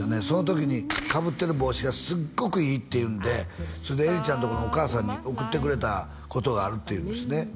その時にかぶってる帽子がすっごくいいっていうんで絵梨ちゃんとこのお母さんに送ってくれたことがあるっていうんですね